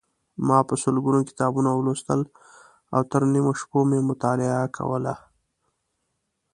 ما په سلګونو کتابونه ولوستل او تر نیمو شپو مې مطالعه کوله.